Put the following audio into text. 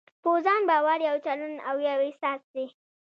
په ځان باور يو چلند او يو احساس دی.